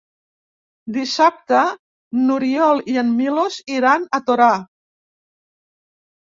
Dissabte n'Oriol i en Milos iran a Torà.